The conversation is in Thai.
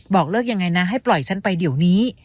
บอกเลิกยังไงนะให้ปล่อยฉันไปเดี๋ยวนี้